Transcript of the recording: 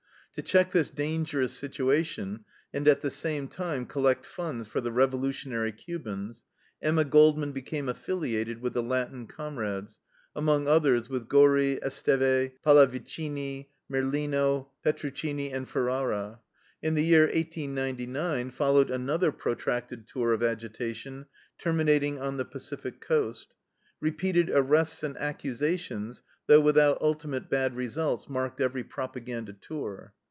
To check this dangerous situation, and at the same time collect funds for the revolutionary Cubans, Emma Goldman became affiliated with the Latin comrades, among others with Gori, Esteve, Palaviccini, Merlino, Petruccini, and Ferrara. In the year 1899 followed another protracted tour of agitation, terminating on the Pacific Coast. Repeated arrests and accusations, though without ultimate bad results, marked every propaganda tour.